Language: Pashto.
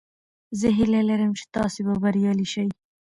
زه هیله لرم چې تاسې به بریالي شئ.